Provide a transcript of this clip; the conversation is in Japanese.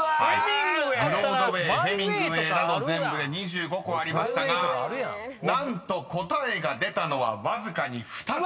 ［「ブロードウェー」「ヘミングウェイ」など全部で２５個ありましたが何と答えが出たのはわずかに２つ］